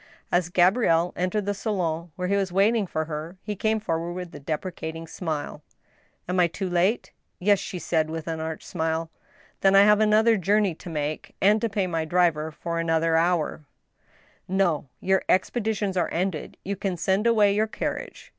As Gabrielle entered the salon where he was waiting for her, he came forward with a deprecating smile. " Am I too late >"Yes," she said, with an arch smile. '* Then I have another journey to make, and to pay my driver for another hour," IN THE ASHES. 119 « No — ^your expeditions are ended, you can send away your car riage.